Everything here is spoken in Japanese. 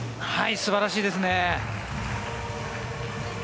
素晴らしいですね。